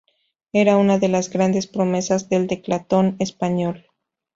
Era una de las grandes promesas del decatlón español.